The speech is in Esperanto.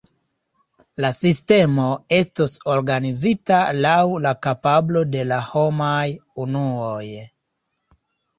La sistemo estos organizita laŭ la kapablo de la homaj unuoj.